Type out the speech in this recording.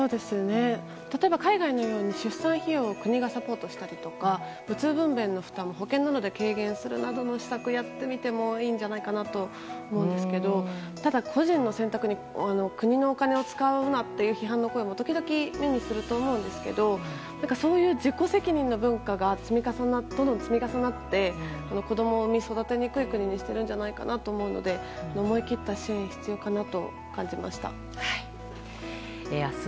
例えば、海外のように出産費用を国がサポートしたりとか鬱分娩の保険などの施策をやってみてもいいんじゃないかなと思うんですけどただ、個人の選択に国のお金を使うなという批判も目にすると思うんですがそういう自己責任の文化がどんどん積み重なって子供を産み育てにくい国にしているんじゃないかと思うので思い切った支援が必要かなと思います。